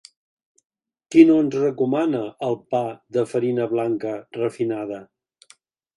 Qui no ens recomana el pa de farina blanca refinada?